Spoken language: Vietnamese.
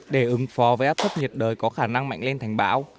để ứng phó với áp thấp nhiệt đới có khả năng mạnh lên thành bão